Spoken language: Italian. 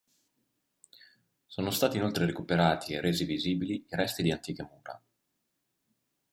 Sono stati inoltre recuperati e resi visibili i resti di antiche mura.